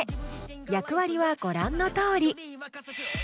役割はご覧のとおり。